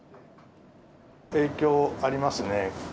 影響ありますね。